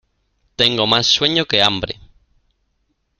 Tengo más sueño que hambre.